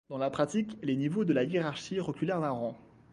Dans la pratique, les niveaux de la hiérarchie reculèrent d'un rang.